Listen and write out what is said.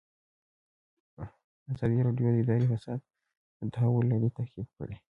ازادي راډیو د اداري فساد د تحول لړۍ تعقیب کړې.